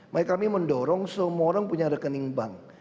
makanya kami mendorong semua orang punya rekening bank